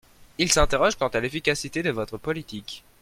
Ils s’interrogent quant à l’efficacité de votre politique.